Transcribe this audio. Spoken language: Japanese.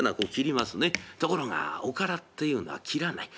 ところがおからっていうのは切らない。